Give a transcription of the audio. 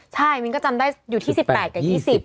ใช่มิ้นก็จำได้อยู่ที่๑๘กับ๒๐